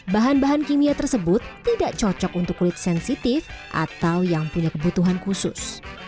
bahan bahan kimia tersebut tidak cocok untuk kulit sensitif atau yang punya kebutuhan khusus